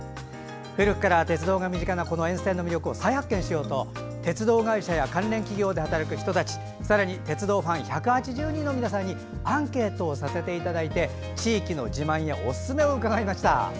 古くから鉄道が身近なこの沿線の魅力を再発見しようと鉄道会社や関連企業で働く人たちさらに鉄道ファン１８０人の皆さんにアンケートをさせていただいて地域の自慢やおすすめを伺いました。